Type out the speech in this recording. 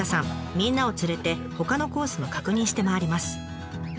みんなを連れてほかのコースも確認して回ります。